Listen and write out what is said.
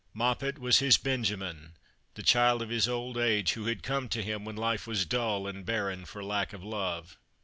jMoppet was his Benjamin, the child of his old age, who had come to him when life was dull and barren for lack of love.